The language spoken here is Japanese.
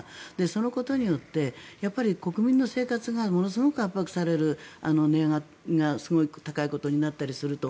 そのことによって、国民の生活がものすごく圧迫される値上がりがすごい高いことになったりすると。